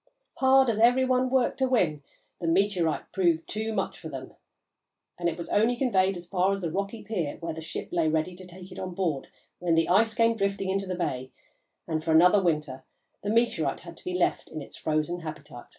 Hard as every one worked to win, the meteorite proved too much for them, and it was only conveyed as far as the rocky pier where the ship lay ready to take it on board when the ice came drifting into the bay, and for another winter the meteorite had to be left in its frozen habitat.